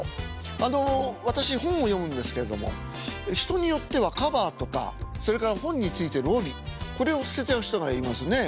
あの私本を読むんですけれども人によってはカバーとかそれから本についてる帯これを捨てちゃう人がいますね。